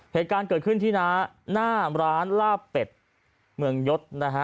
เหตุการณ์เกิดขึ้นที่น้าหน้าร้านลาบเป็ดเมืองยศนะฮะ